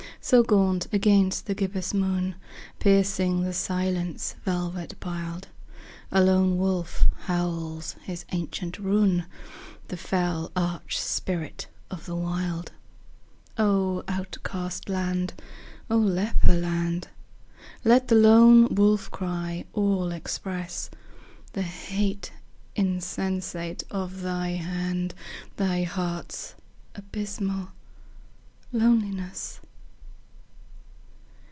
So gaunt against the gibbous moon, Piercing the silence velvet piled, A lone wolf howls his ancient rune— The fell arch spirit of the Wild. O outcast land! O leper land! Let the lone wolf cry all express The hate insensate of thy hand, Thy heart's abysmal loneliness.